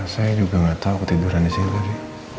saya juga gak tau ketiduran disini